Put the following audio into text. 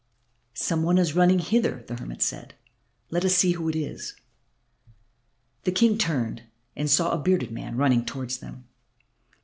"Some one is running hither," the hermit said. "Let us see who it is." The King turned and saw a bearded man running towards them.